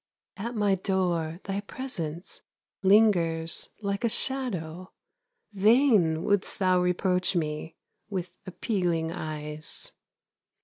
At my door thy presence Lingers like a shadow; Vain wouldst thou reproach me With appealing eyes.